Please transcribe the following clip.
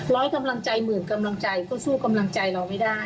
กำลังใจหมื่นกำลังใจก็สู้กำลังใจเราไม่ได้